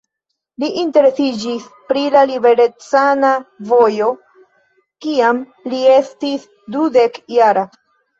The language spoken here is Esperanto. Li interesiĝis pri la liberecana vojo, kiam li estis dudek-jara.